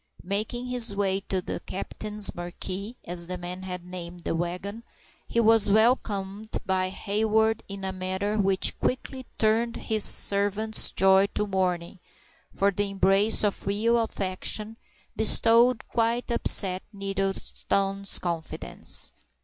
Making his way to the captain's "marquee"—as the men had named the wagon—he was welcomed by Hayward in a manner which quickly turned his servant's joy to mourning, for the embrace of real affection bestowed quite upset Nettleton's confidence.